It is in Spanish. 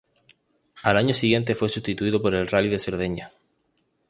Al año siguiente fue sustituido por el Rally de Cerdeña.